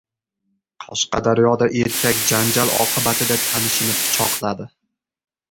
Qashqadaryoda erkak janjal oqibatida tanishini pichoqladi